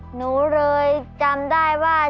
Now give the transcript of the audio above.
หนูเลยจำได้ว่า